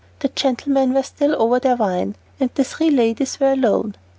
The gentlemen were still over their wine, and the three ladies were alone.